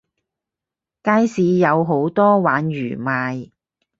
街市有好多鯇魚賣